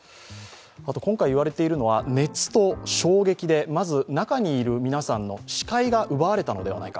今回言われているのは、熱と衝撃でまず中にいる皆さんの視界が奪われたのではないか。